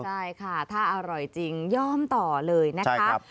ใช่ค่ะถ้าอร่อยจริงยอมต่อเลยนะคะ